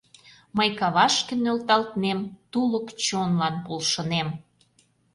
Мый кавашке нӧлталтнем, Тулык чонлан полшынем.